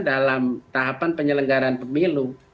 dalam tahapan penyelenggaran pemilu